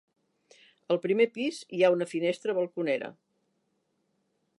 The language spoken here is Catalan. Al primer pis hi ha una finestra balconera.